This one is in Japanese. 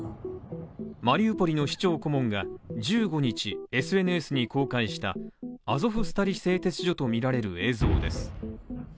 マリウポリの市長顧問が１５日、ＳＮＳに公開したアゾフスタリ製鉄所とみられる映像です。